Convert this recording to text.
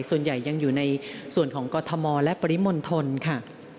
ส่วนใหญ่ยังอยู่ในส่วนของกรทมและปริมณฑลค่ะ